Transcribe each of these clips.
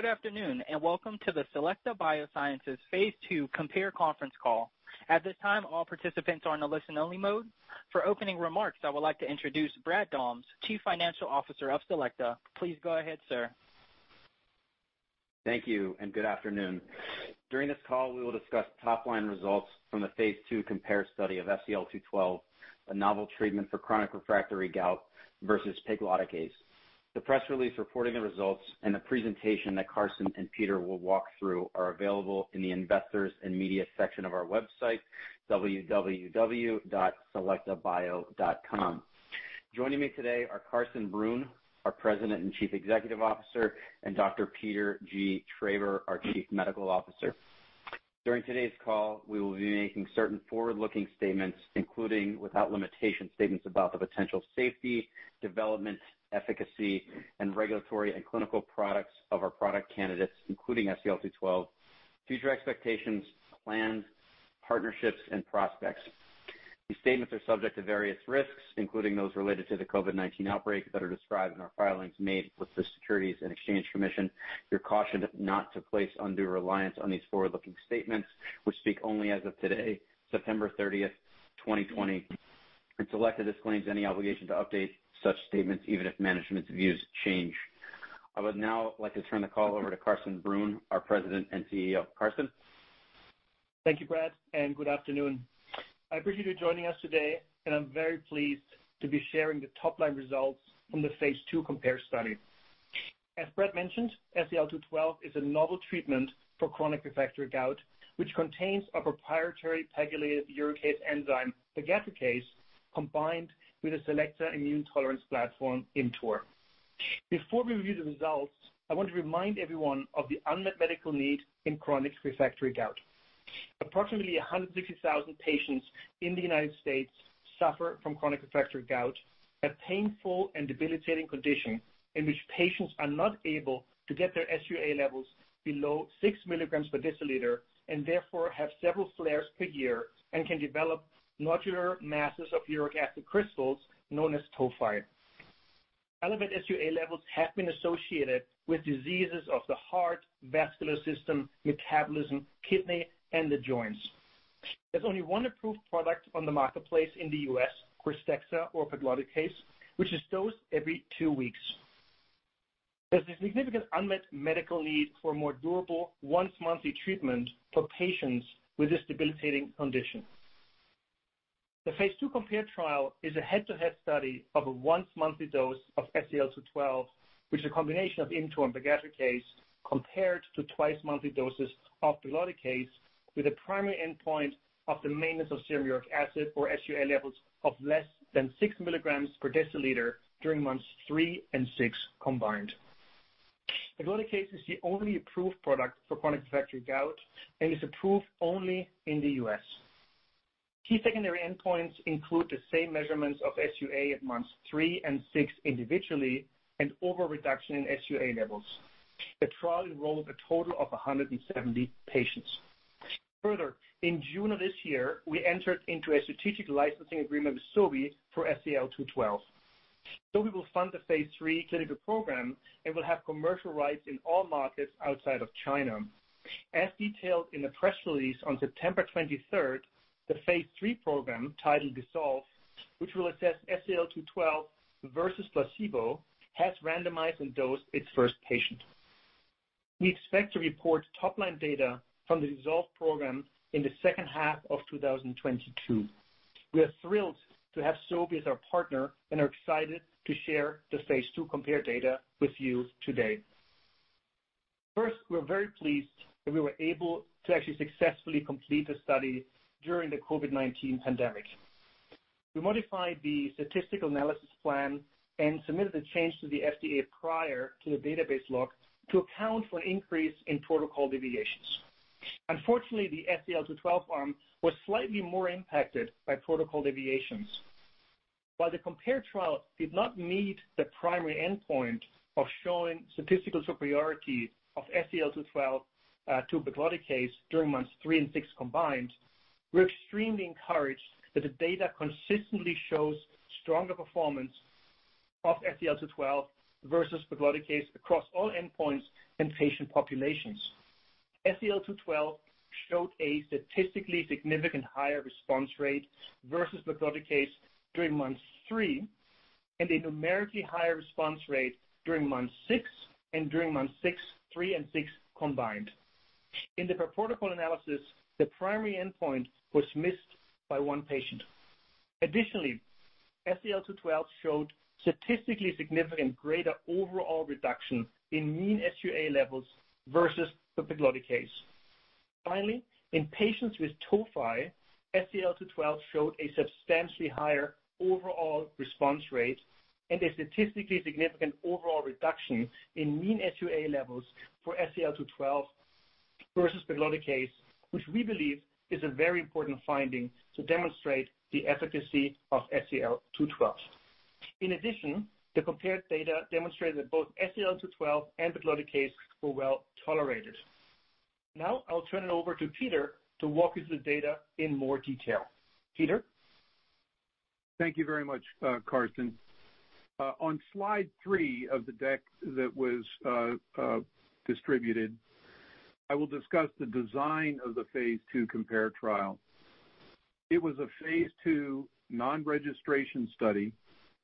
Good afternoon. Welcome to the Selecta Biosciences phase II COMPARE Conference Call. At this time, all participants are in a listen-only mode. For opening remarks, I would like to introduce Brad Dahms, Chief Financial Officer of Selecta. Please go ahead, sir. Thank you, and good afternoon. During this call, we will discuss top-line results from the phase II COMPARE study of SEL-212, a novel treatment for chronic refractory gout versus pegloticase. The press release reporting the results and the presentation that Carsten and Peter will walk through are available in the Investors and Media section of our website, www.selectabio.com. Joining me today are Carsten Brunn, our President and Chief Executive Officer, and Dr. Peter G. Traber, our Chief Medical Officer. During today's call, we will be making certain forward-looking statements, including, without limitation, statements about the potential safety, development, efficacy, and regulatory and clinical products of our product candidates, including SEL-212, future expectations, plans, partnerships, and prospects. These statements are subject to various risks, including those related to the COVID-19 outbreak that are described in our filings made with the Securities and Exchange Commission. You're cautioned not to place undue reliance on these forward-looking statements, which speak only as of today, September 30th, 2020. Selecta disclaims any obligation to update such statements, even if management's views change. I would now like to turn the call over to Carsten Brunn, our President and CEO. Carsten. Thank you, Brad. Good afternoon. I appreciate you joining us today, and I'm very pleased to be sharing the top-line results from the phase II COMPARE study. As Brad mentioned, SEL-212 is a novel treatment for chronic refractory gout, which contains a proprietary pegylated uricase enzyme, pegadricase, combined with a Selecta immune tolerance platform, ImmTOR. Before we review the results, I want to remind everyone of the unmet medical need in chronic refractory gout. Approximately 160,000 patients in the U.S. suffer from chronic refractory gout, a painful and debilitating condition in which patients are not able to get their SUA levels below 6 mg/dL and therefore have several flares per year and can develop nodular masses of uric acid crystals known as tophi. Elevated SUA levels have been associated with diseases of the heart, vascular system, metabolism, kidney, and the joints. There's only one approved product on the marketplace in the U.S., KRYSTEXXA or pegloticase, which is dosed every two weeks. There's a significant unmet medical need for more durable, once-monthly treatment for patients with this debilitating condition. The phase II COMPARE trial is a head-to-head study of a once-monthly dose of SEL-212, which is a combination of ImmTOR and pegadricase, compared to twice-monthly doses of pegloticase with a primary endpoint of the maintenance of serum uric acid or SUA levels of less than 6 mg/dL during months three and six combined. Pegloticase is the only approved product for chronic refractory gout and is approved only in the U.S. Key secondary endpoints include the same measurements of SUA at months three and six individually and over reduction in SUA levels. The trial enrolled a total of 170 patients. In June of this year, we entered into a strategic licensing agreement with Sobi for SEL-212, so we will fund the phase III clinical program and will have commercial rights in all markets outside of China. Detailed in the press release on September 23rd, the phase III program, titled DISSOLVE, which will assess SEL-212 versus placebo, has randomized and dosed its first patient. We expect to report top-line data from the DISSOLVE program in the second half of 2022. We are thrilled to have Sobi as our partner and are excited to share the phase II COMPARE data with you today. First, we're very pleased that we were able to actually successfully complete the study during the COVID-19 pandemic. We modified the statistical analysis plan and submitted the change to the FDA prior to the database lock to account for an increase in protocol deviations. Unfortunately, the SEL-212 arm was slightly more impacted by protocol deviations. While the COMPARE trial did not meet the primary endpoint of showing statistical superiority of SEL-212 to pegloticase during months three and six combined, we're extremely encouraged that the data consistently shows stronger performance of SEL-212 versus pegloticase across all endpoints and patient populations. SEL-212 showed a statistically significant higher response rate versus pegloticase during month three and a numerically higher response rate during month six and during months three and six combined. In the per-protocol analysis, the primary endpoint was missed by one patient. Additionally, SEL-212 showed statistically significant greater overall reduction in mean SUA levels versus the pegloticase. Finally, in patients with tophi, SEL-212 showed a substantially higher overall response rate and a statistically significant overall reduction in mean SUA levels for SEL-212 versus pegloticase, which we believe is a very important finding to demonstrate the efficacy of SEL-212. In addition, the COMPARE data demonstrated that both SEL-212 and pegloticase were well-tolerated. Now, I'll turn it over to Peter to walk you through the data in more detail. Thank you very much, Carsten. On slide three of the deck that was distributed, I will discuss the design of the phase II COMPARE trial. It was a phase II non-registration study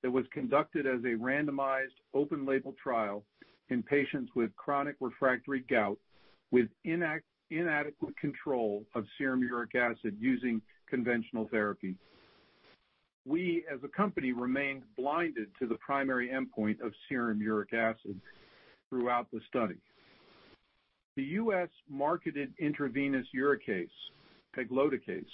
that was conducted as a randomized, open-label trial in patients with chronic refractory gout with inadequate control of serum uric acid using conventional therapy. We, as a company, remained blinded to the primary endpoint of serum uric acid throughout the study. The U.S.-marketed intravenous uricase, pegloticase,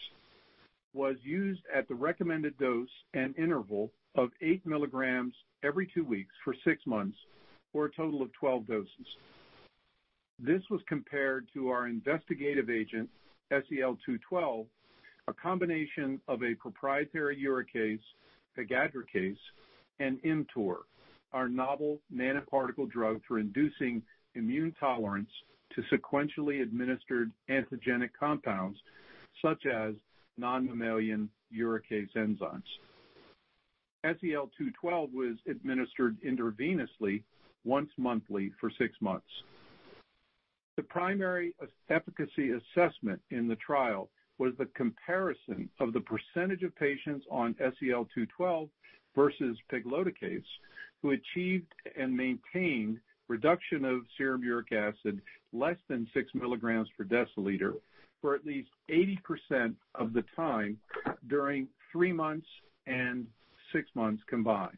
was used at the recommended dose and interval of 8 mg every two weeks for six months, or a total of 12 doses. This was compared to our investigative agent, SEL-212, a combination of a proprietary uricase, pegadricase, and ImmTOR, our novel nanoparticle drug for inducing immune tolerance to sequentially administered antigenic compounds such as non-mammalian uricase enzymes. SEL-212 was administered intravenously once monthly for six months. The primary efficacy assessment in the trial was the comparison of the percentage of patients on SEL-212 versus pegloticase who achieved and maintained reduction of serum uric acid less than 6 mg/dL for at least 80% of the time during three months and six months combined.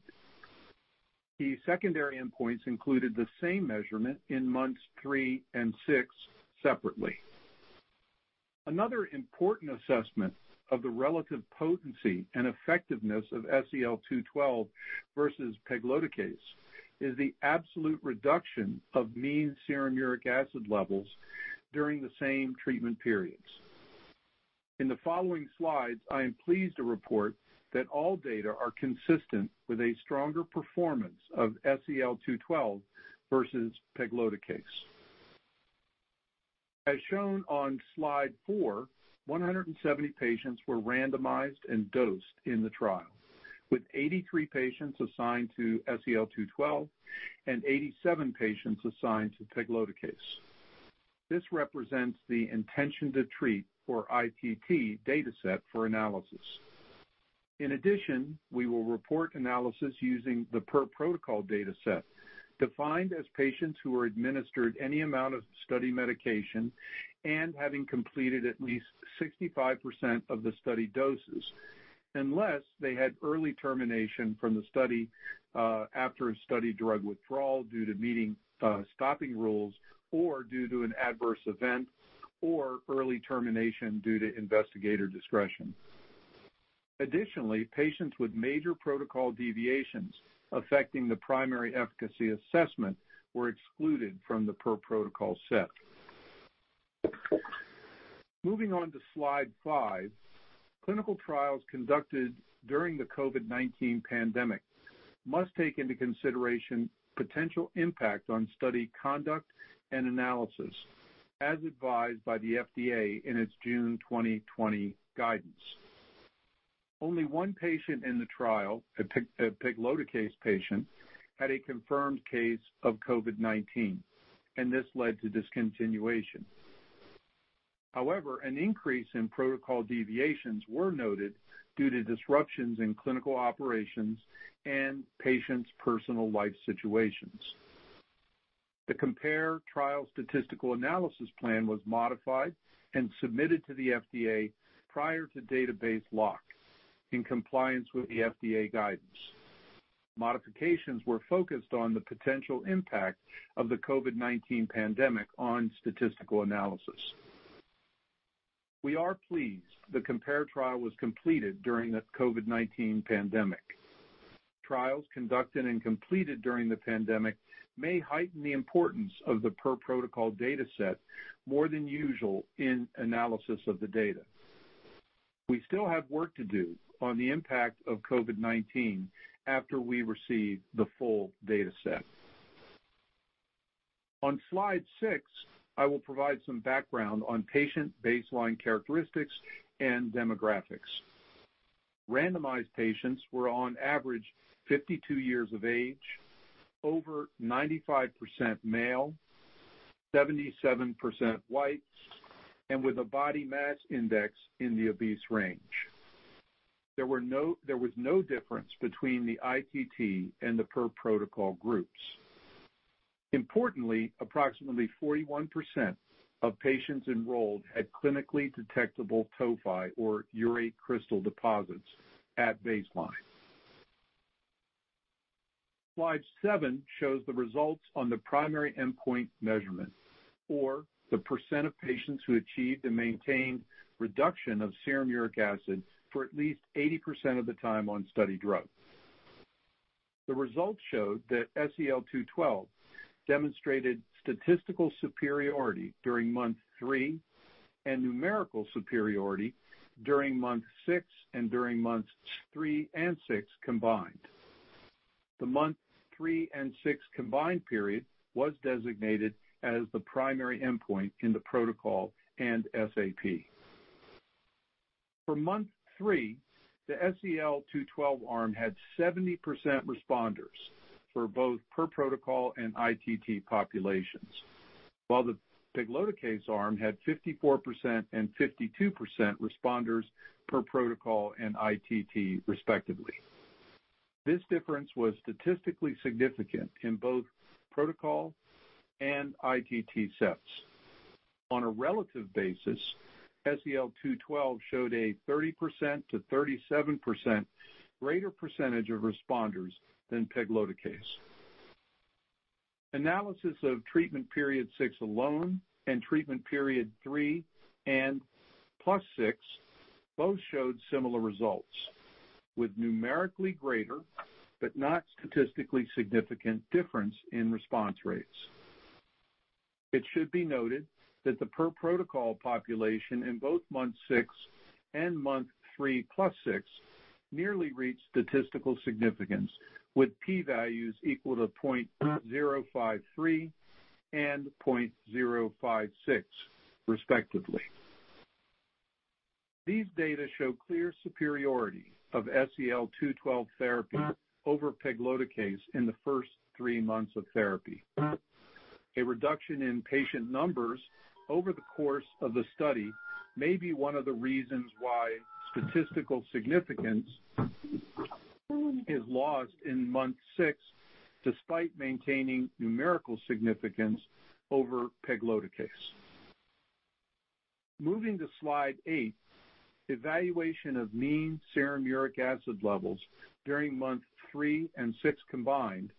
The secondary endpoints included the same measurement in months three and six separately. Another important assessment of the relative potency and effectiveness of SEL-212 versus pegloticase is the absolute reduction of mean serum uric acid levels during the same treatment periods. In the following slides, I am pleased to report that all data are consistent with a stronger performance of SEL-212 versus pegloticase. As shown on slide four, 170 patients were randomized and dosed in the trial, with 83 patients assigned to SEL-212 and 87 patients assigned to pegloticase. This represents the intention-to-treat, or ITT, data set for analysis. In addition, we will report analysis using the per-protocol data set, defined as patients who were administered any amount of study medication and having completed at least 65% of the study doses, unless they had early termination from the study after a study drug withdrawal due to meeting stopping rules or due to an adverse event, or early termination due to investigator discretion. Additionally, patients with major protocol deviations affecting the primary efficacy assessment were excluded from the per-protocol set. Moving on to slide five, clinical trials conducted during the COVID-19 pandemic must take into consideration potential impact on study conduct and analysis, as advised by the FDA in its June 2020 guidance. Only one patient in the trial, a pegloticase patient, had a confirmed case of COVID-19, and this led to discontinuation. However, an increase in protocol deviations were noted due to disruptions in clinical operations and patients' personal life situations. The COMPARE trial statistical analysis plan was modified and submitted to the FDA prior to database lock in compliance with the FDA guidance. Modifications were focused on the potential impact of the COVID-19 pandemic on statistical analysis. We are pleased the COMPARE trial was completed during the COVID-19 pandemic. Trials conducted and completed during the pandemic may heighten the importance of the per-protocol data set more than usual in analysis of the data. We still have work to do on the impact of COVID-19 after we receive the full data set. On slide six, I will provide some background on patient baseline characteristics and demographics. Randomized patients were on average 52 years of age, over 95% male, 77% white, and with a body mass index in the obese range. There was no difference between the ITT and the per-protocol groups. Importantly, approximately 41% of patients enrolled had clinically detectable tophi or urate crystal deposits at baseline. Slide seven shows the results on the primary endpoint measurement, or the percent of patients who achieved and maintained reduction of serum uric acid for at least 80% of the time on study drug. The results showed that SEL-212 demonstrated statistical superiority during month three and numerical superiority during month six and during months three and six combined. The month three and six combined period was designated as the primary endpoint in the protocol and SAP. For month three, the SEL-212 arm had 70% responders for both per-protocol and ITT populations, while the pegloticase arm had 54% and 52% responders per-protocol and ITT respectively. This difference was statistically significant in both protocol and ITT sets. On a relative basis, SEL-212 showed a 30%-37% greater percentage of responders than pegloticase. Analysis of treatment period six alone and treatment period three and plus six both showed similar results, with numerically greater, but not statistically significant, difference in response rates. It should be noted that the per-protocol population in both month six and month three plus six nearly reached statistical significance with P values equal to 0.053 and 0.056, respectively. These data show clear superiority of SEL-212 therapy over pegloticase in the first three months of therapy. A reduction in patient numbers over the course of the study may be one of the reasons why statistical significance is lost in month six, despite maintaining numerical significance over pegloticase. Moving to slide eight, evaluation of mean serum uric acid levels during month three and six combined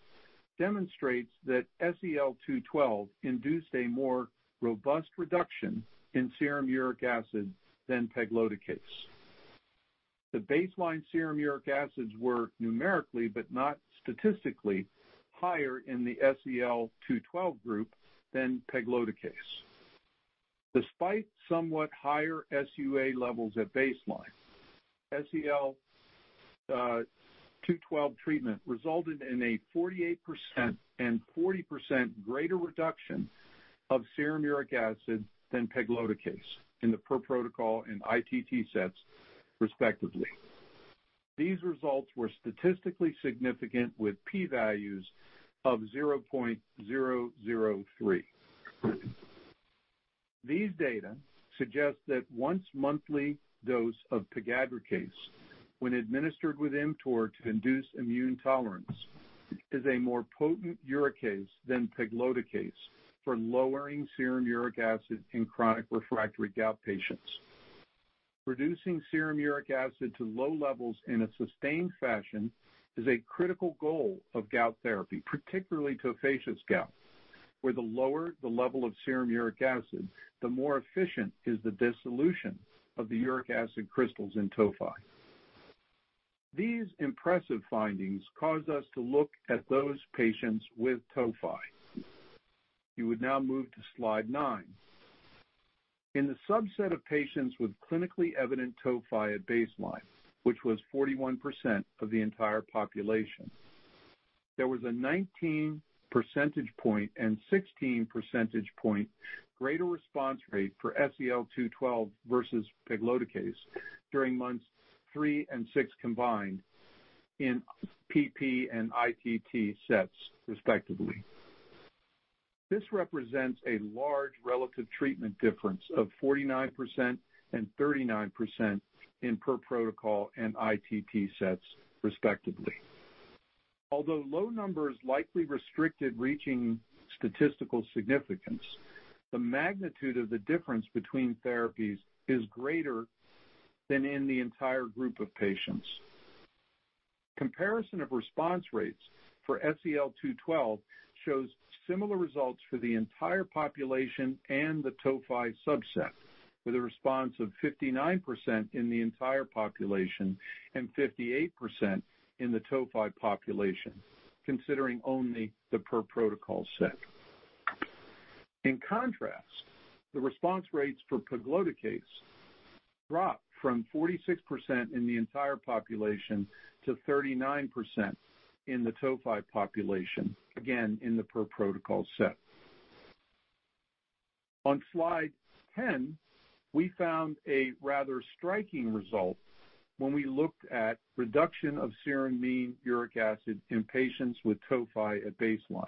demonstrates that SEL-212 induced a more robust reduction in serum uric acid than pegloticase. The baseline serum uric acids were numerically but not statistically higher in the SEL-212 group than pegloticase. Despite somewhat higher SUA levels at baseline, SEL-212 treatment resulted in a 48% and 40% greater reduction of serum uric acid than pegloticase in the per-protocol and ITT sets, respectively. These results were statistically significant with P values of 0.003. These data suggest that once-monthly dose of pegadricase, when administered with ImmTOR to induce immune tolerance, is a more potent uricase than pegloticase for lowering serum uric acid in chronic refractory gout patients. Reducing serum uric acid to low levels in a sustained fashion is a critical goal of gout therapy, particularly tophaceous gout, where the lower the level of serum uric acid, the more efficient is the dissolution of the uric acid crystals in tophi. These impressive findings cause us to look at those patients with tophi. You would now move to slide nine. In the subset of patients with clinically evident tophi at baseline, which was 41% of the entire population, there was a 19 percentage point and 16 percentage point greater response rate for SEL-212 versus pegloticase during months three and six combined in PP and ITT sets, respectively. This represents a large relative treatment difference of 49% and 39% in per-protocol and ITT sets, respectively. Although low numbers likely restricted reaching statistical significance, the magnitude of the difference between therapies is greater than in the entire group of patients. Comparison of response rates for SEL-212 shows similar results for the entire population and the tophi subset, with a response of 59% in the entire population and 58% in the tophi population, considering only the per-protocol set. In contrast, the response rates for pegloticase dropped from 46% in the entire population to 39% in the tophi population, again in the per-protocol set. On slide 10, we found a rather striking result when we looked at reduction of serum mean uric acid in patients with tophi at baseline.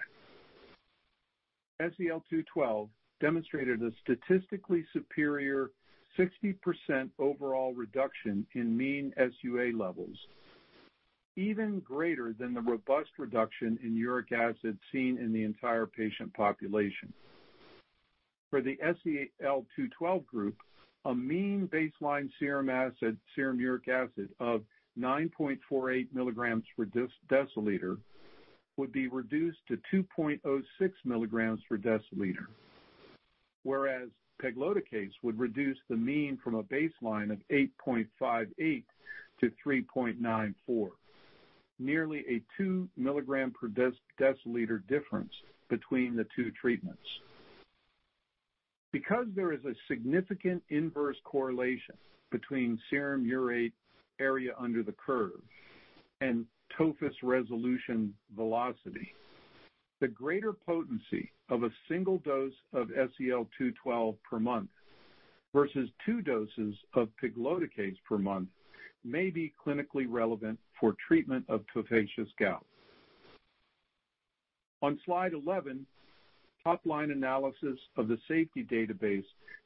SEL-212 demonstrated a statistically superior 60% overall reduction in mean SUA levels, even greater than the robust reduction in uric acid seen in the entire patient population. For the SEL-212 group, a mean baseline serum uric acid of 9.48 mg/dL would be reduced to 2.06 mg/dL. Whereas pegloticase would reduce the mean from a baseline of 8.58 to 3.94, nearly a 2 mg/dL difference between the two treatments. Because there is a significant inverse correlation between serum urate area under the curve and tophus resolution velocity, the greater potency of a single dose of SEL-212 per month versus two doses of pegloticase per month may be clinically relevant for treatment of tophaceous gout. On slide 11, top-line analysis of the safety database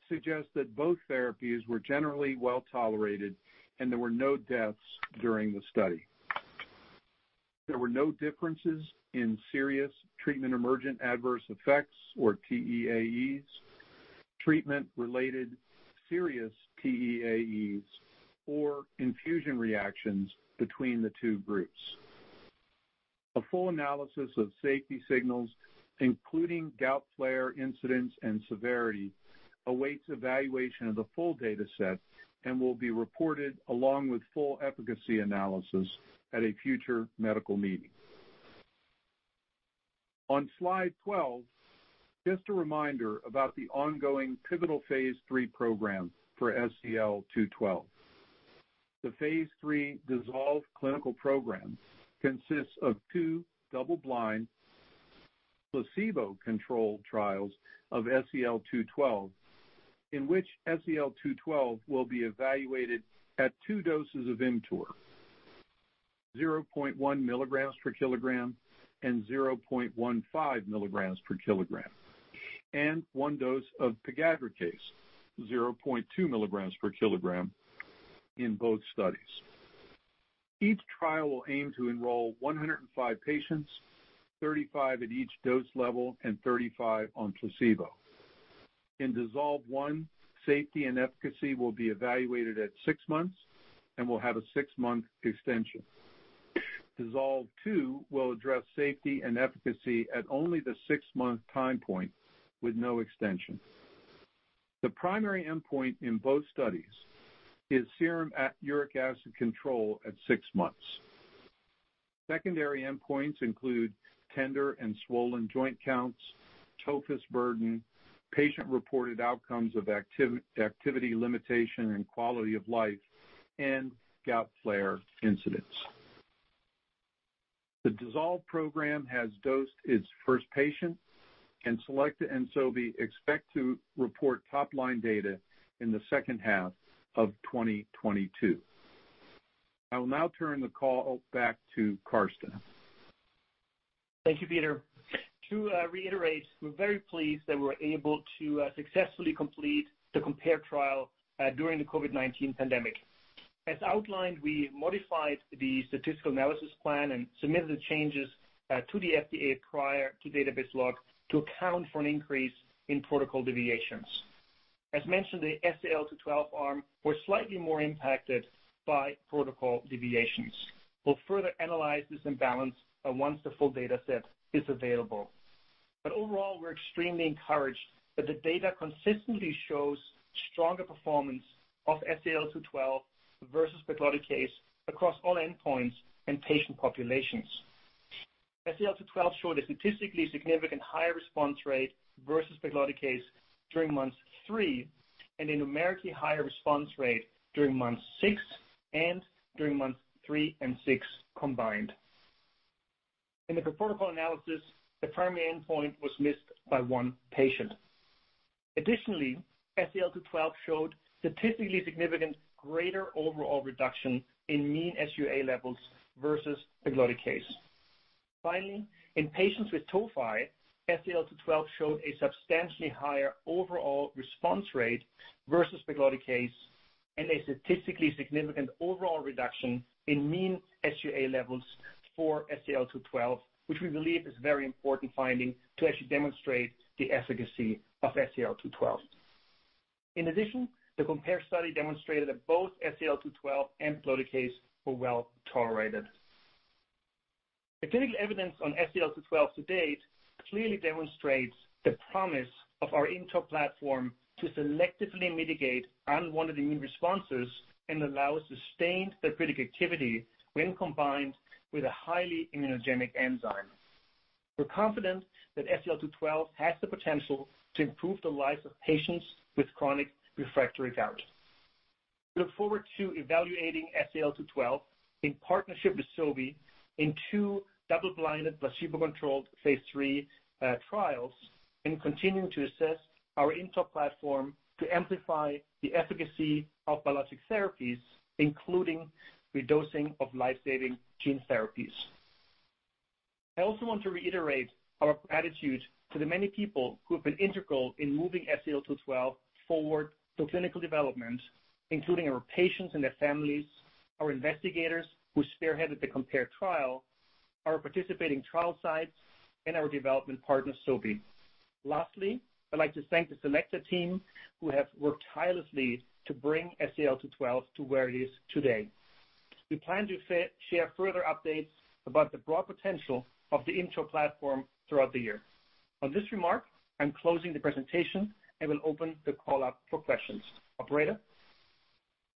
suggests that both therapies were generally well-tolerated, and there were no deaths during the study. There were no differences in serious Treatment Emergent Adverse Events, or TEAEs, treatment-related serious TEAEs, or infusion reactions between the two groups. A full analysis of safety signals, including gout flare incidents and severity, awaits evaluation of the full data set and will be reported along with full efficacy analysis at a future medical meeting. On slide 12, just a reminder about the ongoing pivotal phase III program for SEL-212. The phase III DISSOLVE clinical program consists of two double-blind placebo-controlled trials of SEL-212, in which SEL-212 will be evaluated at two doses of ImmTOR, 0.1 mg/kg and 0.15 mg/kg, and one dose of pegadricase, 0.2 mg/kg in both studies. Each trial will aim to enroll 105 patients, 35 at each dose level and 35 on placebo. In DISSOLVE I, safety and efficacy will be evaluated at six months and will have a six-month extension. DISSOLVE II will address safety and efficacy at only the six-month time point with no extension. The primary endpoint in both studies is serum uric acid control at six months. Secondary endpoints include tender and swollen joint counts, tophus burden, patient-reported outcomes of activity limitation and quality of life, and gout flare incidents. The DISSOLVE program has dosed its first patient. Selecta and Sobi expect to report top-line data in the second half of 2022. I will now turn the call back to Carsten. Thank you, Peter. To reiterate, we're very pleased that we were able to successfully complete the COMPARE trial during the COVID-19 pandemic. As outlined, we modified the statistical analysis plan and submitted the changes to the FDA prior to database lock to account for an increase in protocol deviations. As mentioned, the SEL-212 arm was slightly more impacted by protocol deviations. We'll further analyze this imbalance once the full data set is available. Overall, we're extremely encouraged that the data consistently shows stronger performance of SEL-212 versus pegloticase across all endpoints and patient populations. SEL-212 showed a statistically significant higher response rate versus pegloticase during month three and a numerically higher response rate during month six and during months three and six combined. In the per-protocol analysis, the primary endpoint was missed by one patient. Additionally, SEL-212 showed statistically significant greater overall reduction in mean SUA levels versus pegloticase. Finally, in patients with tophi, SEL-212 showed a substantially higher overall response rate versus pegloticase and a statistically significant overall reduction in mean SUA levels for SEL-212, which we believe is a very important finding to actually demonstrate the efficacy of SEL-212. In addition, the COMPARE study demonstrated that both SEL-212 and pegloticase were well-tolerated. The clinical evidence on SEL-212 to date clearly demonstrates the promise of our ImmTOR platform to selectively mitigate unwanted immune responses and allow sustained therapeutic activity when combined with a highly immunogenic enzyme. We're confident that SEL-212 has the potential to improve the lives of patients with chronic refractory gout. We look forward to evaluating SEL-212 in partnership with Sobi in two double-blinded, placebo-controlled phase III trials and continuing to assess our ImmTOR platform to amplify the efficacy of biologic therapies, including redosing of life-saving gene therapies. I also want to reiterate our gratitude to the many people who have been integral in moving SEL-212 forward to clinical development, including our patients and their families, our investigators who spearheaded the COMPARE trial, our participating trial sites, and our development partner, Sobi. Lastly, I'd like to thank the Selecta team who have worked tirelessly to bring SEL-212 to where it is today. We plan to share further updates about the broad potential of the ImmTOR platform throughout the year. On this remark, I'm closing the presentation and will open the call up for questions. Operator?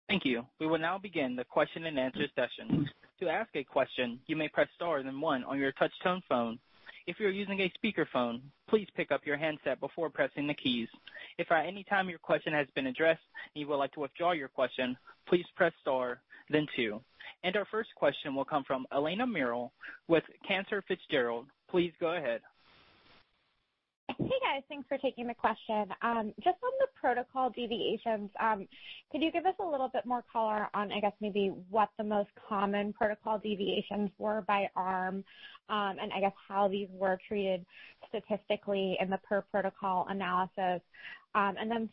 Thank you. We will now begin the question and answer session. To ask a question, you may press star then one on your touch-tone phone. If you're using a speakerphone, please pick up your handset before pressing the keys. If at any time your question has been addressed and you would like to withdraw your question, please press star then two. Our first question will come from Eliana Merle with Cantor Fitzgerald. Please go ahead. Hey, guys. Thanks for taking the question. Just on the protocol deviations, could you give us a little bit more color on, I guess maybe what the most common protocol deviations were by arm and I guess how these were treated statistically in the per-protocol analysis?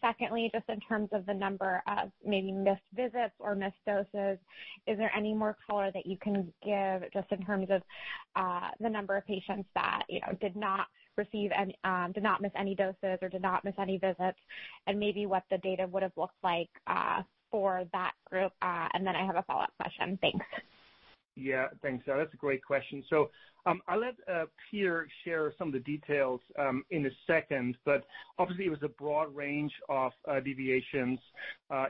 Secondly, just in terms of the number of maybe missed visits or missed doses, is there any more color that you can give just in terms of the number of patients that did not miss any doses or did not miss any visits, and maybe what the data would've looked like for that group? I have a follow-up question. Thanks. Yeah, thanks. That's a great question. I'll let Peter share some of the details in a second, but obviously it was a broad range of deviations.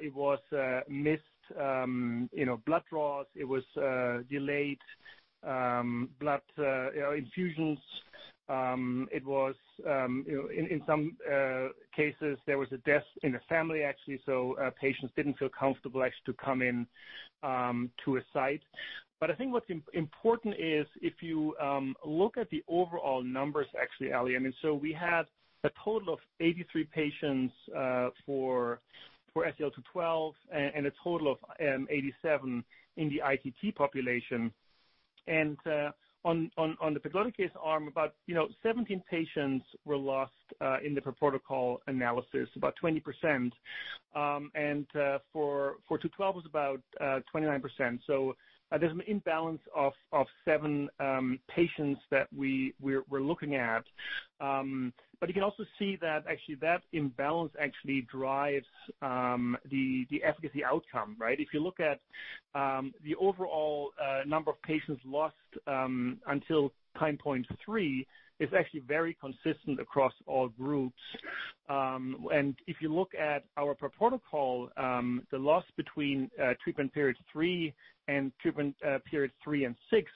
It was missed blood draws. It was delayed blood infusions. In some cases, there was a death in the family, actually, so patients didn't feel comfortable actually to come in to a site. I think what's important is if you look at the overall numbers, actually, Ellie, I mean, so we had a total of 83 patients for SEL-212 and a total of 87 in the ITT population. On the pegloticase arm, about 17 patients were lost in the per-protocol analysis, about 20%. For 212 was about 29%. There's an imbalance of seven patients that we're looking at. You can also see that, actually, that imbalance actually drives the efficacy outcome, right? If you look at the overall number of patients lost until time point three, it's actually very consistent across all groups. If you look at our per-protocol, the loss between treatment period three and treatment period three and six,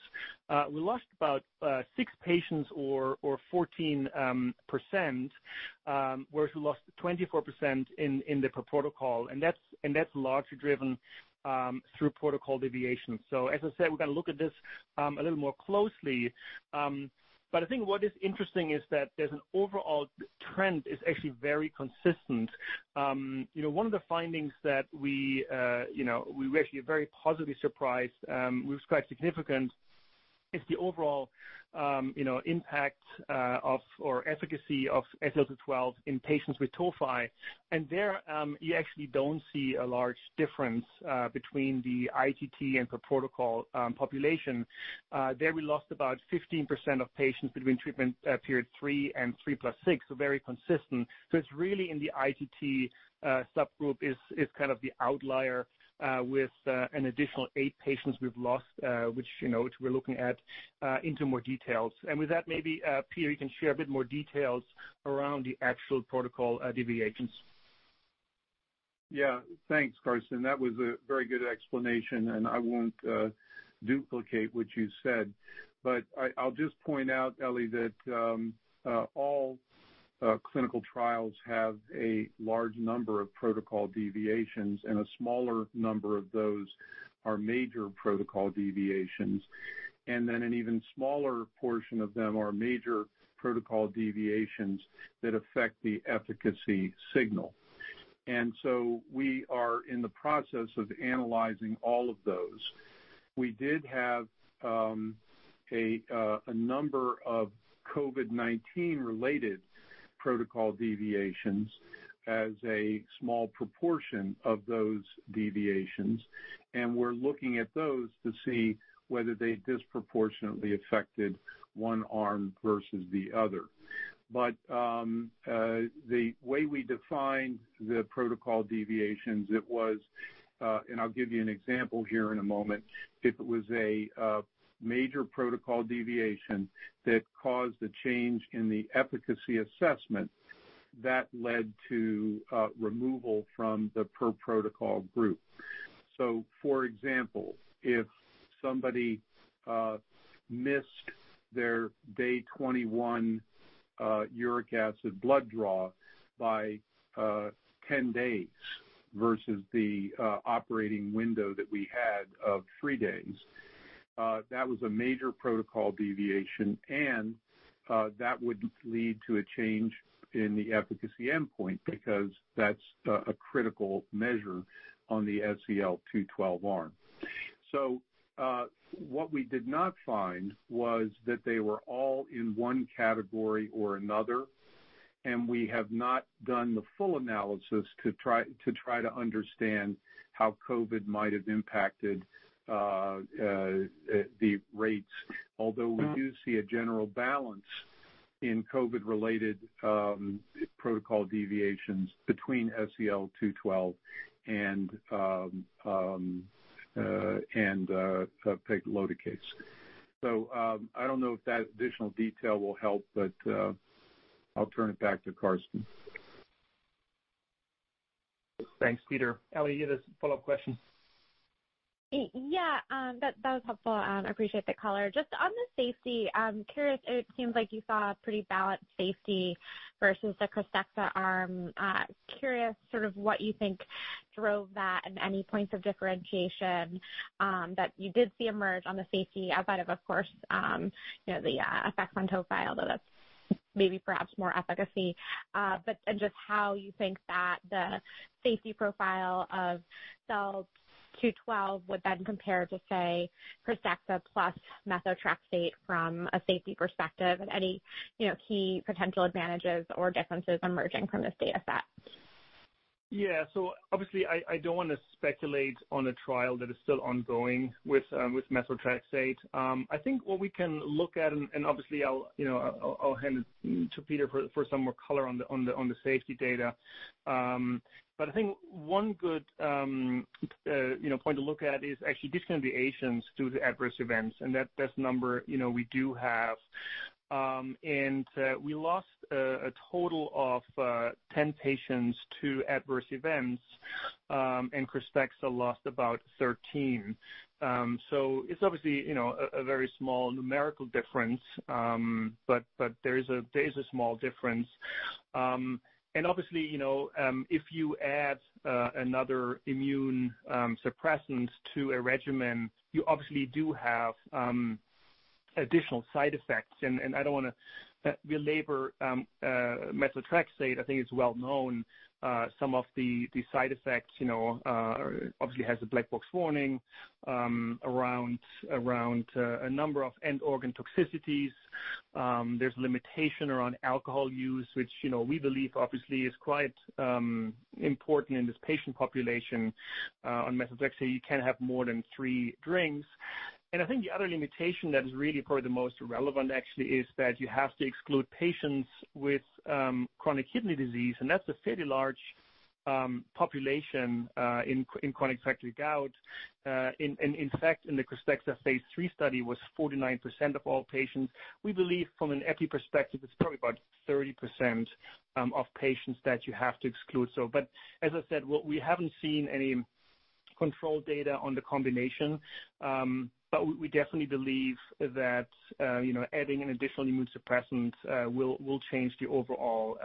we lost about six patients or 14%, whereas we lost 24% in the per-protocol. That's largely driven through protocol deviations. As I said, we're going to look at this a little more closely. I think what is interesting is that there's an overall trend is actually very consistent. One of the findings that we were actually very positively surprised was quite significant, is the overall impact or efficacy of SEL-212 in patients with tophi. There, you actually don't see a large difference between the ITT and per-protocol population. There we lost about 15% of patients between treatment period three and three plus six, very consistent. It's really in the ITT subgroup is kind of the outlier with an additional eight patients we've lost, which we're looking at into more details. With that, maybe, Peter, you can share a bit more details around the actual protocol deviations. Yeah. Thanks, Carsten. That was a very good explanation, and I won't duplicate what you said. I'll just point out, Ellie, that all clinical trials have a large number of protocol deviations, and a smaller number of those are major protocol deviations. An even smaller portion of them are major protocol deviations that affect the efficacy signal. We are in the process of analyzing all of those. We did have a number of COVID-19 related protocol deviations as a small proportion of those deviations, and we're looking at those to see whether they disproportionately affected one arm versus the other. The way we define the protocol deviations, it was. I'll give you an example here in a moment. If it was a major protocol deviation that caused a change in the efficacy assessment, that led to removal from the per-protocol group. For example, if somebody missed their day 21 uric acid blood draw by 10 days versus the operating window that we had of three days, that was a major protocol deviation and that would lead to a change in the efficacy endpoint because that's a critical measure on the SEL-212 arm. What we did not find was that they were all in one category or another, and we have not done the full analysis to try to understand how COVID might have impacted the rates, although we do see a general balance in COVID-related protocol deviations between SEL-212 and pegloticase. I don't know if that additional detail will help, but I'll turn it back to Carsten. Thanks, Peter. Ellie, you had a follow-up question? Yeah, that was helpful. I appreciate the color. Just on the safety, I'm curious, it seems like you saw a pretty balanced safety versus the KRYSTEXXA arm. Curious sort of what you think drove that and any points of differentiation that you did see emerge on the safety outside of course, the effect on tophi, although that's maybe perhaps more efficacy. Just how you think that the safety profile of SEL-212 would then compare to, say, KRYSTEXXA plus methotrexate from a safety perspective, and any key potential advantages or differences emerging from this data set. Obviously, I don't want to speculate on a trial that is still ongoing with methotrexate. I think what we can look at, and obviously I'll hand it to Peter for some more color on the safety data. I think one good point to look at is actually discrepancies to the adverse events, and that number we do have. We lost a total of 10 patients to adverse events, and KRYSTEXXA lost about 13. It's obviously a very small numerical difference, but there is a small difference. Obviously, if you add another immune suppressant to a regimen, you obviously do have additional side effects. I don't want to belabor methotrexate. I think it's well known, some of the side effects, obviously has a black box warning around a number of end organ toxicities. There's limitation around alcohol use, which, we believe obviously is quite important in this patient population. On methotrexate, you can't have more than three drinks. I think the other limitation that is really probably the most relevant actually, is that you have to exclude patients with chronic kidney disease, and that's a fairly large population in chronic refractory gout. In fact, in the KRYSTEXXA phase III study was 49% of all patients. We believe from an epi perspective, it's probably about 30% of patients that you have to exclude. As I said, we haven't seen any control data on the combination. We definitely believe that adding an additional immune suppressant will change the overall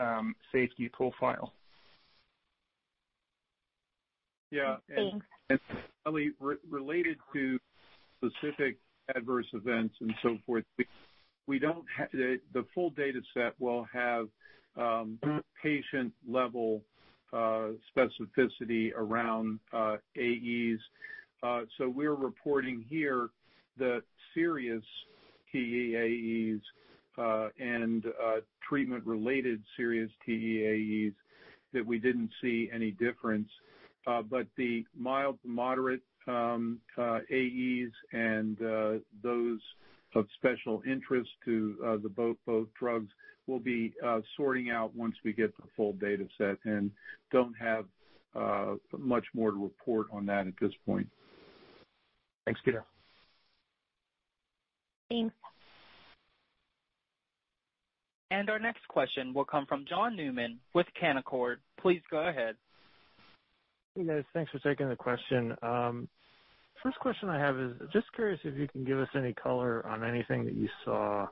safety profile. Thanks. Ellie, related to specific adverse events and so forth, the full data set will have patient-level specificity around AEs. We're reporting here the serious TEAEs and treatment-related serious TEAEs that we didn't see any difference. The mild to moderate AEs and those of special interest to both drugs we'll be sorting out once we get the full data set and don't have much more to report on that at this point. Thanks, Peter. Thanks. Our next question will come from John Newman with Canaccord. Please go ahead. Hey, guys. Thanks for taking the question. First question I have is, just curious if you can give us any color on anything that you saw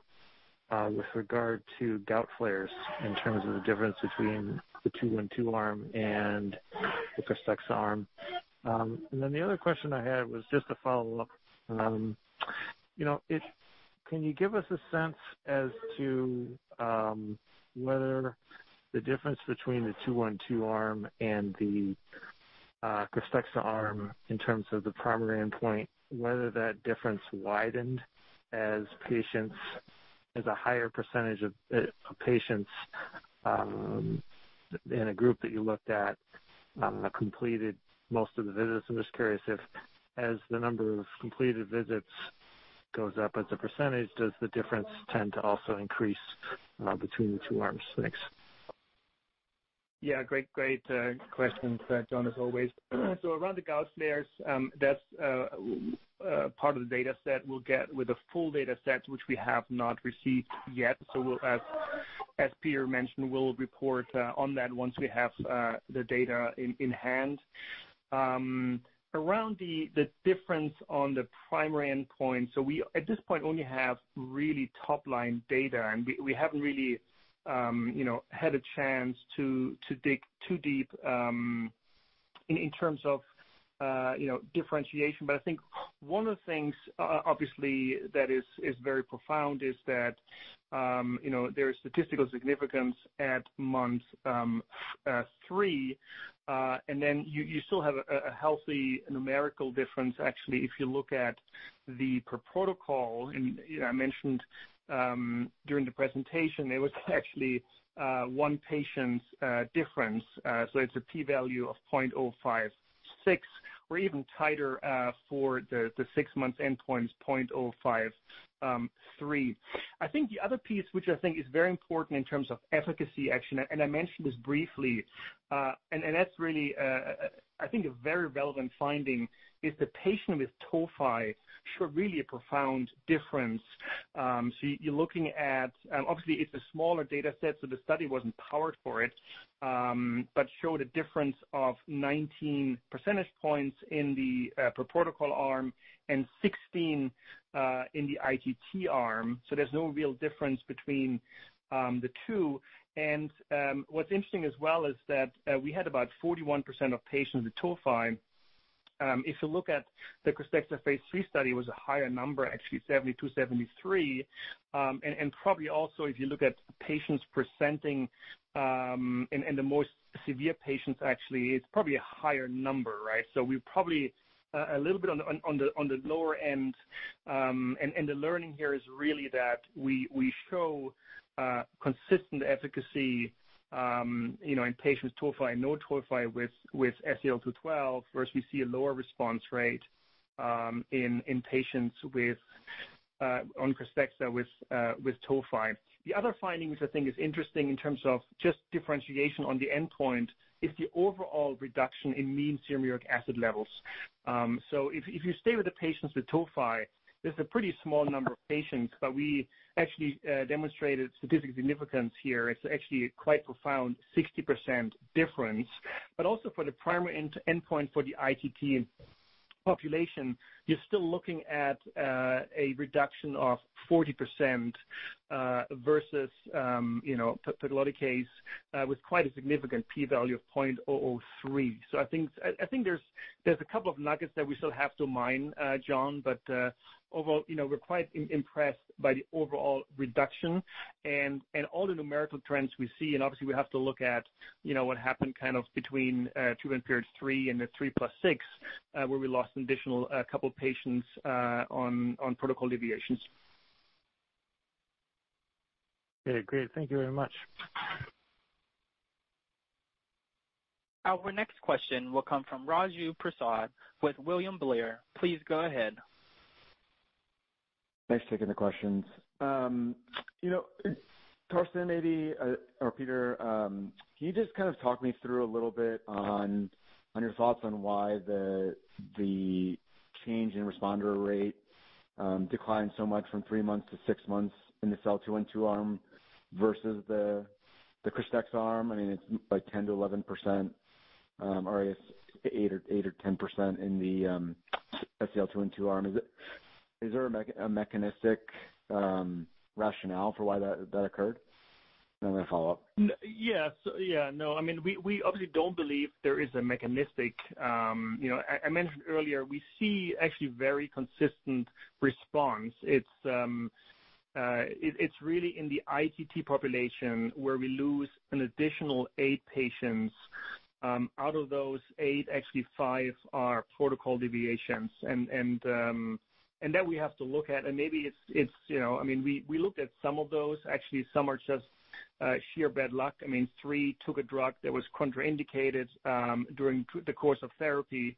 with regard to gout flares in terms of the difference between the SEL-212 arm and the KRYSTEXXA arm. The other question I had was just a follow-up. Can you give us a sense as to whether the difference between the SEL-212 arm and the KRYSTEXXA arm in terms of the primary endpoint, whether that difference widened as a higher percentage of patients in a group that you looked at completed most of the visits? I'm just curious if, as the number of completed visits goes up as a percentage, does the difference tend to also increase between the two arms? Thanks. Great questions there, John, as always. Around the gout flares, that's part of the data set we'll get with the full data set, which we have not received yet. As Peter mentioned, we'll report on that once we have the data in hand. Around the difference on the primary endpoint, we, at this point, only have really top-line data, and we haven't really had a chance to dig too deep in terms of differentiation. I think one of the things, obviously, that is very profound is that there is statistical significance at month three. You still have a healthy numerical difference, actually, if you look at the per protocol, I mentioned during the presentation, there was actually one patient's difference. It's a P value of .056, or even tighter for the six-month endpoint is .053. I think the other piece which I think is very important in terms of efficacy, actually, and I mentioned this briefly, and that's really, I think, a very relevant finding, is the patient with tophi showed really a profound difference. You're looking at, obviously the study wasn't powered for it, but showed a difference of 19 percentage points in the per protocol arm and 16 in the ITT arm, there's no real difference between the two. What's interesting as well is that we had about 41% of patients with tophi. If you look at the KRYSTEXXA phase III study, it was a higher number, actually 72, 73. Probably also, if you look at patients presenting and the most severe patients, actually, it's probably a higher number, right? We're probably a little bit on the lower end. The learning here is really that we show consistent efficacy, in patients tophi and no tophi with SEL-212, whereas we see a lower response rate in patients on KRYSTEXXA with tophi. The other findings I think is interesting in terms of just differentiation on the endpoint, is the overall reduction in mean serum uric acid levels. If you stay with the patients with tophi, there's a pretty small number of patients, but we actually demonstrated statistical significance here. It's actually a quite profound 60% difference. Also for the primary endpoint for the ITT population, you're still looking at a reduction of 40% versus pegloticase with quite a significant P value of 0.003. I think there's a couple of nuggets that we still have to mine, John, but overall, we're quite impressed by the overall reduction and all the numerical trends we see. Obviously we have to look at what happened kind of between treatment period three and the three plus six, where we lost an additional couple patients on protocol deviations. Okay, great. Thank you very much. Our next question will come from Raju Prasad with William Blair. Please go ahead. Thanks for taking the questions. Carsten maybe, or Peter, can you just talk me through a little bit on your thoughts on why the change in responder rate declined so much from three months to six months in the SEL-212 arm versus the KRYSTEXXA arm? It's like 10%-11%, or I guess eight or 10% in the SEL-212 arm. Is there a mechanistic rationale for why that occurred? I'm going to follow up. Yes. We obviously don't believe there is a mechanistic. I mentioned earlier, we see actually very consistent response. It's really in the ITT population where we lose an additional eight patients. Out of those eight, actually five are protocol deviations, and that we have to look at. We looked at some of those. Actually, some are just sheer bad luck. Three took a drug that was contraindicated during the course of therapy.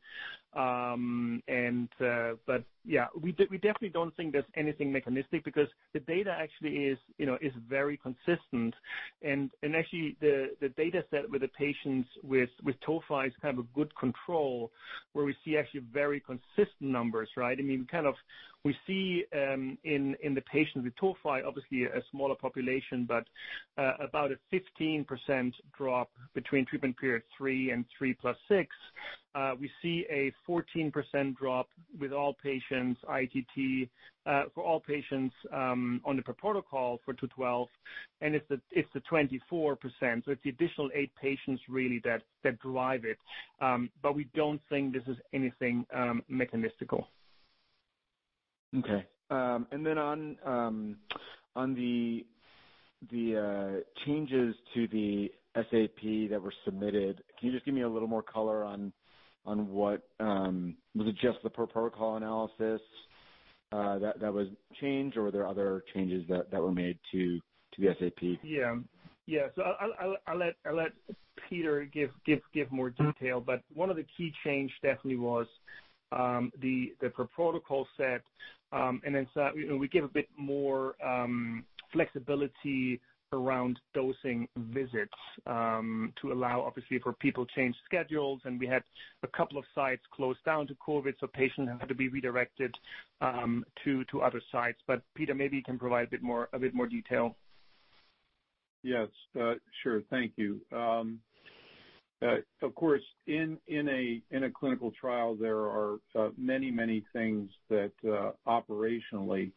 Yeah, we definitely don't think there's anything mechanistic because the data actually is very consistent, and actually the dataset with the patients with tophi is kind of a good control where we see actually very consistent numbers, right. We see in the patients with tophi, obviously a smaller population, but about a 15% drop between treatment period three and three plus six. We see a 14% drop with all patients, ITT, for all patients on the per protocol for 212, and it's a 24%. It's the additional eight patients really that drive it. We don't think this is anything mechanistical. Okay. On the changes to the SAP that were submitted, can you just give me a little more color on what, was it just the per protocol analysis that was changed, or were there other changes that were made to the SAP? Yeah. I'll let Peter give more detail. One of the key change definitely was the per protocol set. Inside, we give a bit more flexibility around dosing visits to allow obviously for people change schedules, and we had a couple of sites close down to COVID, so patients had to be redirected to other sites. Peter, maybe you can provide a bit more detail. Yes. Sure. Thank you. Of course, in a clinical trial, there are many things that operationally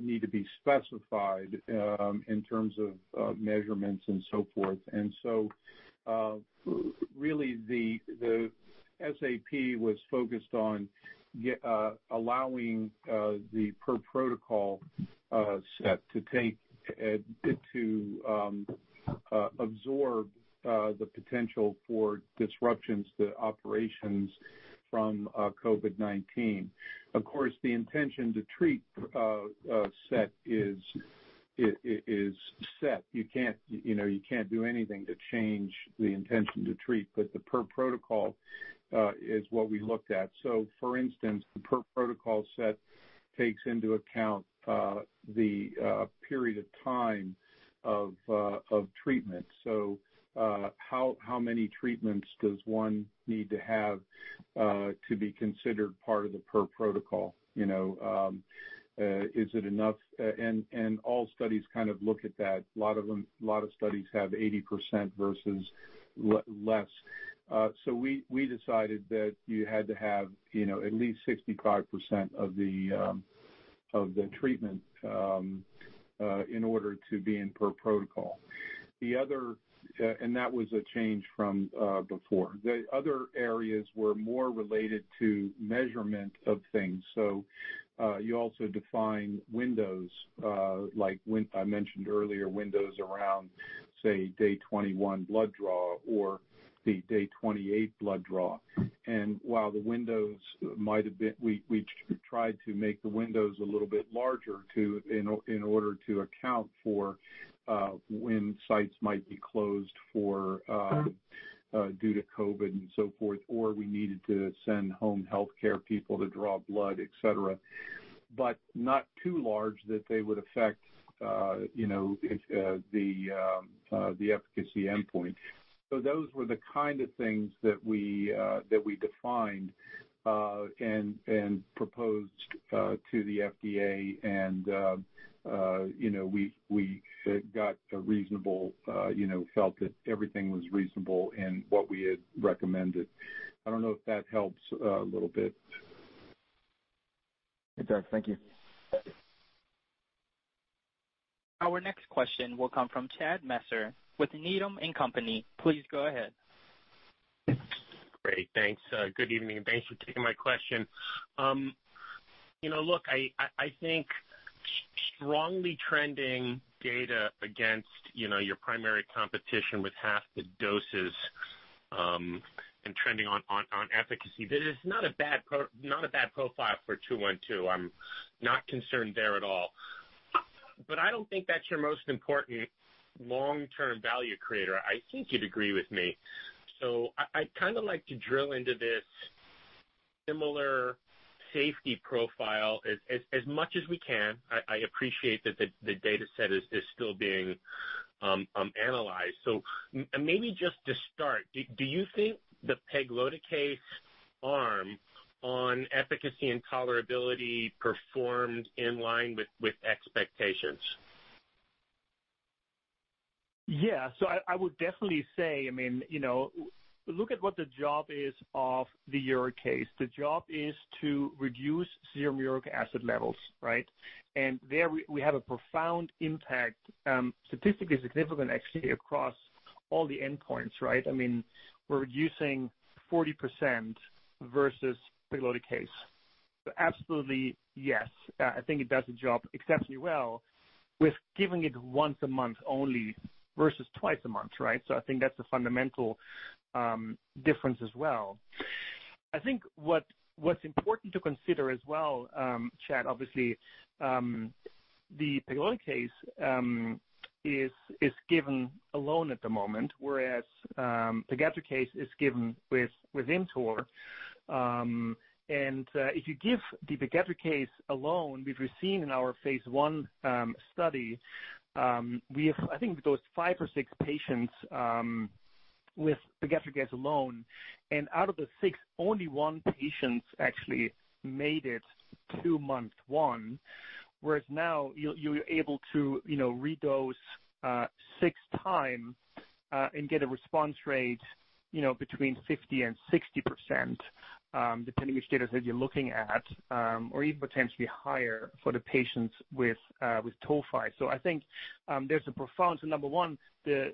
need to be specified, in terms of measurements and so forth. Really the SAP was focused on allowing the per protocol set to absorb the potential for disruptions to operations from COVID-19. Of course, the intention to treat set is set. You can't do anything to change the intention to treat, but the per protocol is what we looked at. For instance, the per protocol set takes into account the period of time of treatment. How many treatments does one need to have to be considered part of the per protocol? Is it enough? All studies kind of look at that. A lot of studies have 80% versus less. We decided that you had to have at least 65% of the treatment in order to be in per protocol. That was a change from before. The other areas were more related to measurement of things. You also define windows, like I mentioned earlier, windows around, say, day 21 blood draw or the day 28 blood draw. While we tried to make the windows a little bit larger in order to account for when sites might be closed due to COVID and so forth, or we needed to send home healthcare people to draw blood, et cetera, but not too large that they would affect the efficacy endpoint. Those were the kind of things that we defined and proposed to the FDA and we felt that everything was reasonable in what we had recommended. I don't know if that helps a little bit. It does. Thank you. Thank you. Our next question will come from Chad Messer with Needham & Company. Please go ahead. Great. Thanks. Good evening, and thanks for taking my question. Look, I think strongly trending data against your primary competition with half the doses and trending on efficacy, that is not a bad profile for SEL-212. I'm not concerned there at all. I don't think that's your most important long-term value creator. I think you'd agree with me. I'd like to drill into this similar safety profile as much as we can. I appreciate that the data set is still being analyzed. Maybe just to start, do you think the pegloticase arm on efficacy and tolerability performed in line with expectations? Yeah. I would definitely say, look at what the job is of the uricase. The job is to reduce serum uric acid levels, right? There we have a profound impact, statistically significant, actually, across all the endpoints, right? We're reducing 40% versus pegloticase. Absolutely, yes. I think it does the job exceptionally well with giving it once a month only versus twice a month, right? I think that's a fundamental difference as well. I think what's important to consider as well, Chad, obviously, the pegloticase is given alone at the moment, whereas pegadricase is given with ImmTOR. If you give the pegadricase alone, we've seen in our phase I study, I think it goes five or six patients with pegadricase alone, out of the six, only one patient actually made it to month one, whereas now you're able to redose six times and get a response rate between 50%-60%, depending which data set you're looking at, or even potentially higher for the patients with tophi. I think there's a profound. Number one, the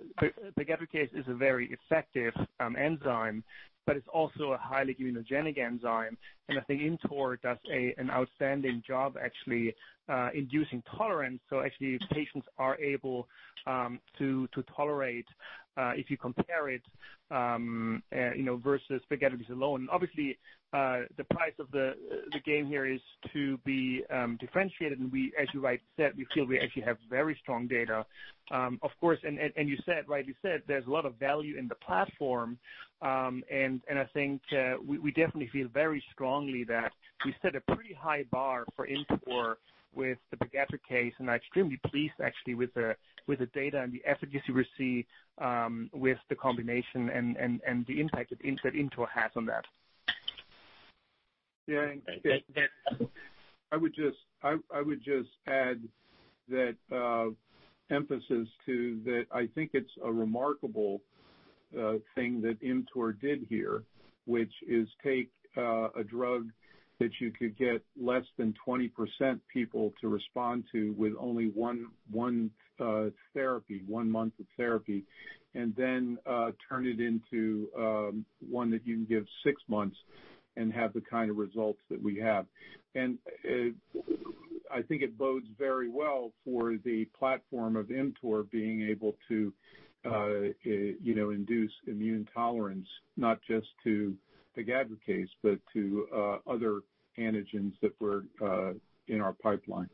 pegadricase is a very effective enzyme, but it's also a highly immunogenic enzyme. I think ImmTOR does an outstanding job, actually, inducing tolerance. Actually, patients are able to tolerate, if you compare it versus pegadricase alone. Obviously, the price of the game here is to be differentiated. As you rightly said, we feel we actually have very strong data. Of course, and you rightly said, there's a lot of value in the platform, and I think we definitely feel very strongly that we set a pretty high bar for ImmTOR with the pegloticase, and I'm extremely pleased, actually, with the data and the efficacy we see with the combination and the impact that ImmTOR has on that. Yeah. I would just add that emphasis too, that I think it's a remarkable thing that ImmTOR did here, which is take a drug that you could get less than 20% people to respond to with only one month of therapy, and then turn it into one that you can give six months and have the kind of results that we have. I think it bodes very well for the platform of ImmTOR being able to induce immune tolerance, not just to pegloticase, but to other antigens that were in our pipeline.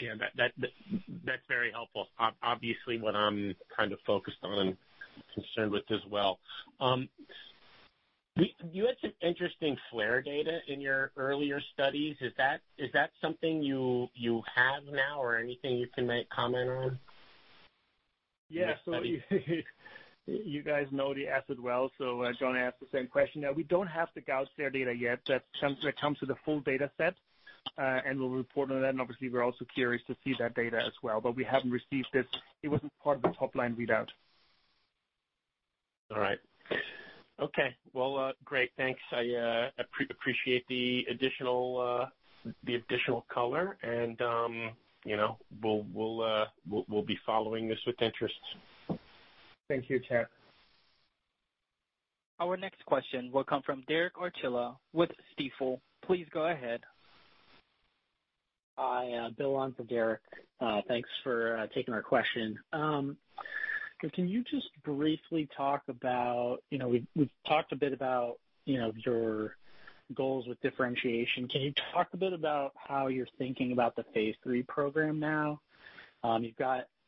Yeah. That's very helpful. Obviously, what I'm kind of focused on and concerned with as well. You had some interesting flare data in your earlier studies. Is that something you have now or anything you can comment on? Yeah. You guys know the acid well, so John asked the same question. No, we don't have the gout flare data yet. That comes with a full data set, and we'll report on that, and obviously, we're also curious to see that data as well. We haven't received it. It wasn't part of the top-line readout. All right. Okay. Great. Thanks. I appreciate the additional color and we'll be following this with interest. Thank you, Chad. Our next question will come from Derek Archila with Stifel. Please go ahead. Hi, Bill on for Derek. Thanks for taking our question. We've talked a bit about your goals with differentiation. Can you talk a bit about how you're thinking about the phase III program now,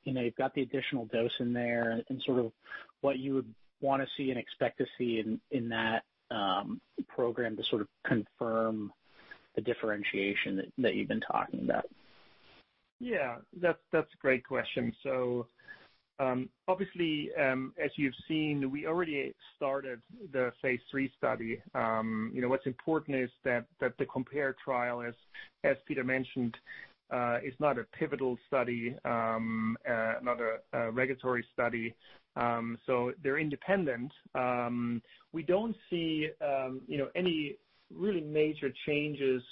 you've got the additional dose in there and sort of what you would want to see and expect to see in that program to sort of confirm the differentiation that you've been talking about? That's a great question. Obviously, as you've seen, we already started the phase III study. What's important is that the COMPARE trial, as Peter mentioned, is not a pivotal study, not a regulatory study. They're independent. We don't see any really major changes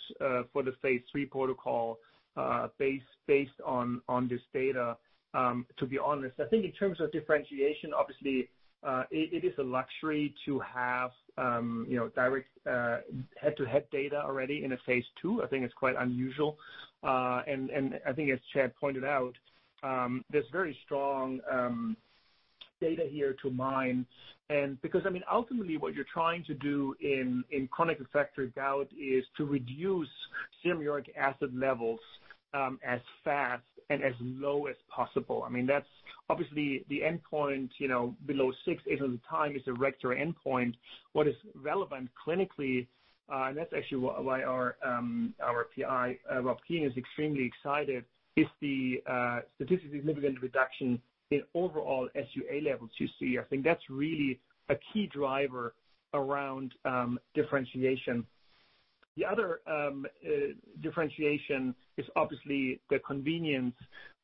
for the phase III protocol based on this data, to be honest. I think in terms of differentiation, obviously, it is a luxury to have direct head-to-head data already in a phase II. I think it's quite unusual. I think as Chad pointed out, there's very strong data here to mine and because ultimately, what you're trying to do in chronic refractory gout is to reduce serum uric acid levels, as fast and as low as possible. That's obviously the endpoint, below six, 80% of the time is a responder endpoint. What is relevant clinically, and that's actually why our PI, Rob Keenan, is extremely excited, is the statistically significant reduction in overall SUA levels you see. I think that's really a key driver around differentiation. The other differentiation is obviously the convenience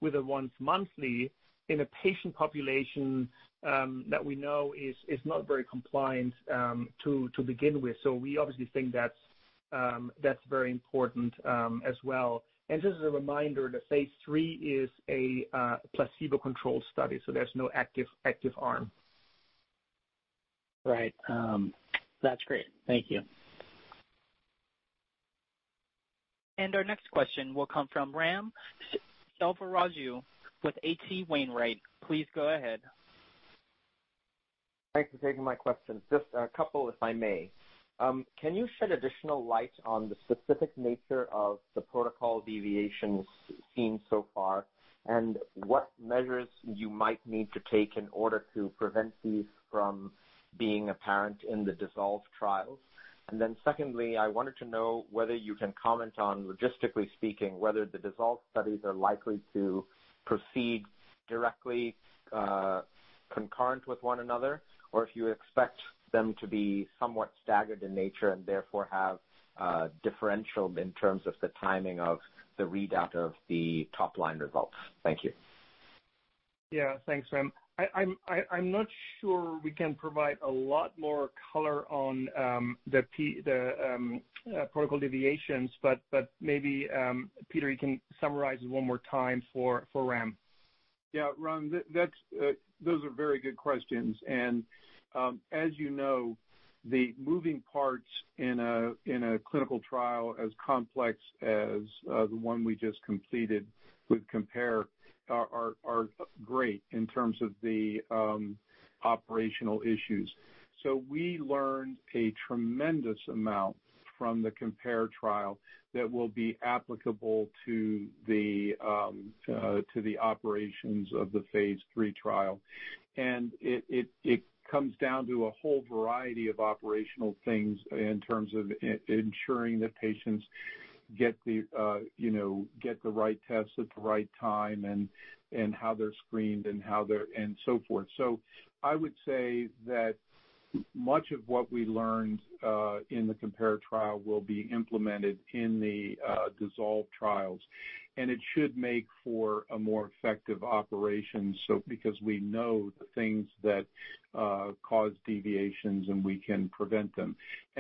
with a once monthly in a patient population that we know is not very compliant to begin with. We obviously think that's very important as well. Just as a reminder, the phase III is a placebo-controlled study, there's no active arm. Right. That's great. Thank you. Our next question will come from Ram Selvaraju with H.C. Wainwright. Please go ahead. Thanks for taking my questions. Just a couple, if I may. Can you shed additional light on the specific nature of the protocol deviations seen so far, and what measures you might need to take in order to prevent these from being apparent in the DISSOLVE trials? Secondly, I wanted to know whether you can comment on, logistically speaking, whether the DISSOLVE studies are likely to proceed directly concurrent with one another, or if you expect them to be somewhat staggered in nature and therefore have differential in terms of the timing of the readout of the top-line results. Thank you. Thanks, Ram. I'm not sure we can provide a lot more color on the protocol deviations, but maybe, Peter, you can summarize it one more time for Ram. Yeah. Ram, those are very good questions. As you know, the moving parts in a clinical trial as complex as the one we just completed with COMPARE are great in terms of the operational issues. We learned a tremendous amount from the COMPARE trial that will be applicable to the operations of the phase III trial. It comes down to a whole variety of operational things in terms of ensuring that patients get the right tests at the right time and how they're screened and so forth. I would say that much of what we learned in the COMPARE trial will be implemented in the DISSOLVE trials, and it should make for a more effective operation because we know the things that cause deviations, and we can prevent them.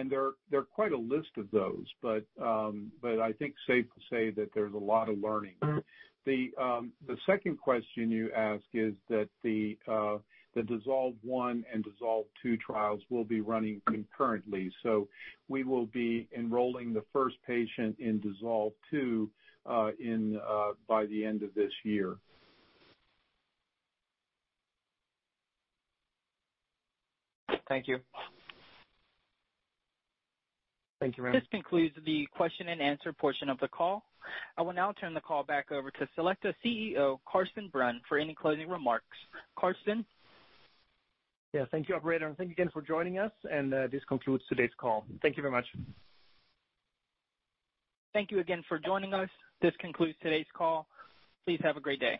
There are quite a list of those, but I think safe to say that there's a lot of learning. The second question you ask is that the DISSOLVE I and DISSOLVE II trials will be running concurrently. We will be enrolling the first patient in DISSOLVE II by the end of this year. Thank you. Thank you, Ram. This concludes the question and answer portion of the call. I will now turn the call back over to Selecta CEO, Carsten Brunn, for any closing remarks. Carsten? Yeah, thank you, operator, and thank you again for joining us, and this concludes today's call. Thank you very much. Thank you again for joining us. This concludes today's call. Please have a great day.